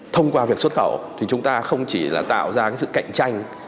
thông qua việc xuất khẩu thì chúng ta không chỉ là tạo ra sự cạnh tranh